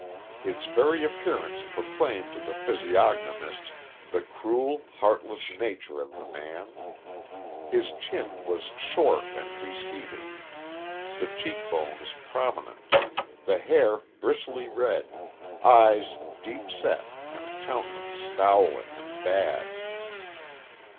His very appearance proclaimed to the physiognomist the cruel, heartless nature of the man. His chin was short and receding, the cheek bones prominent, hair bristly red, eyes deep set and countenance scowling and bad.